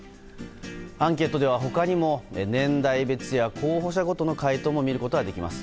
アンケートでは他にも年代別や候補者ごとの回答も見ることができます。